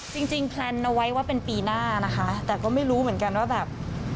จริงแพลนเอาไว้ว่าเป็นปีหน้านะคะแต่ก็ไม่รู้เหมือนกันว่าแบบ